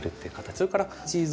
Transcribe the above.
それからチーズ。